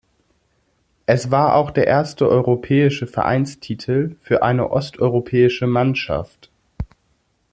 Es war auch der erste europäische Vereinstitel für eine osteuropäische Mannschaft.